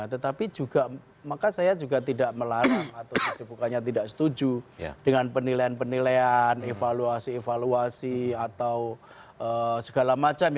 tetapi juga maka saya juga tidak melarang atau bukannya tidak setuju dengan penilaian penilaian evaluasi evaluasi atau segala macam